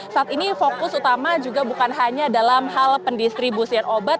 saat ini fokus utama juga bukan hanya dalam hal pendistribusian obat